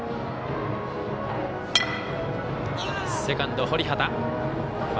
セカンド、堀畑。